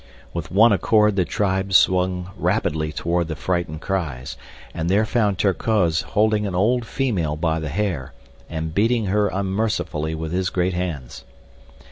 With one accord the tribe swung rapidly toward the frightened cries, and there found Terkoz holding an old female by the hair and beating her unmercifully with his great hands.